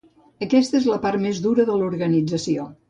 Aquesta és la part més dura de l'organització.